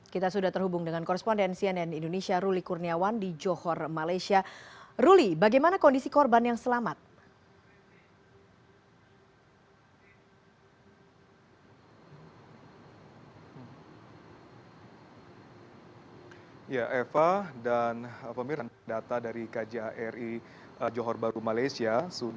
kita sudah terhubung dengan koresponden cnn indonesia ruli kurniawan di johor malaysia